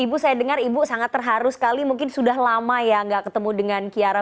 ibu saya dengar ibu sangat terharu sekali mungkin sudah lama ya nggak ketemu dengan kiara